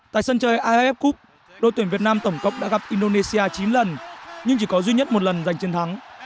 tại sân chơi af cup đội tuyển việt nam tổng cộng đã gặp indonesia chín lần nhưng chỉ có duy nhất một lần giành chiến thắng